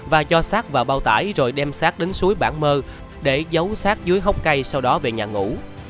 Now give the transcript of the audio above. và cho xác vào bao tải rồi đem xác đến suối bảng mơ để giấu xác dưới hốc cây sau đó về nhà ngủ